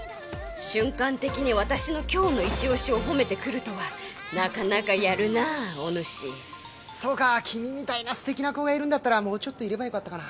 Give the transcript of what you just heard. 瞬間的に私の今日の一押しを褒めてくるとはなかなかやるなお主そうか君みたいなすてきな子がいるんだったらもうちょっといればよかったかな。